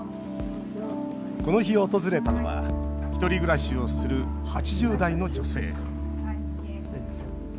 この日、訪れたのはひとり暮らしをする８０代の女性。